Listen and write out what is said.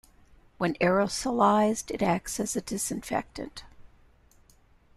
When aerosolized it acts as a disinfectant.